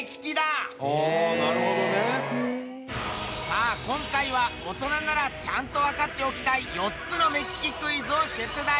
さあ今回は大人ならちゃんとわかっておきたい４つの目利きクイズを出題。